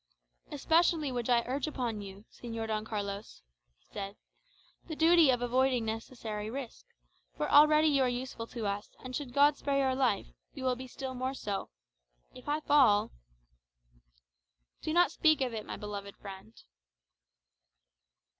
"Especially would I urge upon you, Señor Don Carlos," he said, "the duty of avoiding unnecessary risk, for already you are useful to us; and should God spare your life, you will be still more so. If I fall " "Do not speak of it, my beloved friend."